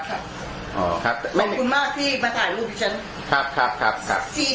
ขอบคุณมากที่มาถ่ายรูปด้วยฉัน